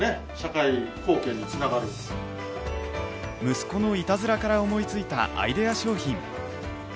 息子のいたずらから思いついたアイデア商品。